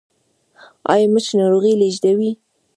ایا مچ ناروغي لیږدوي؟